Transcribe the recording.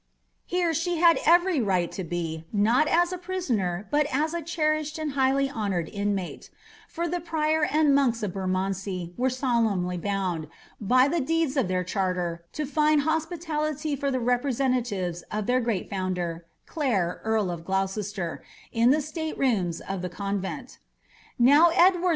Here she had every right to be, not as a prisoner, but as a che rished and highly honoured inmate : for the prior and monks of Ber mondsey were solemnly bound, by the deeds of their charter, to find hoapitality for the representatives of their great founder, Clare, earl of Gloucester, in the state rooms of the convent^ Now Edward IV.